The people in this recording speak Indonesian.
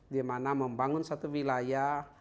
di mana membangun satu wilayah